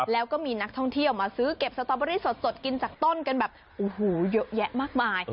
แล้วก็มีนักท่องเที่ยวมาซื้อเก็บสตอเบอรี่สดกินจากต้นกันแบบโอ้โหเยอะแยะมากมาย